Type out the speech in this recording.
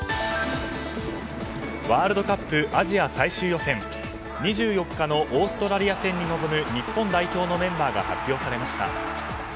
ワールドカップアジア最終予選２４日のオーストラリア戦に臨む日本代表のメンバーが発表されました。